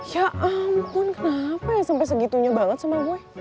ya ampun kenapa ya sampe segitunya banget sama boy